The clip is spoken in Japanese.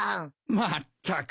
まったく。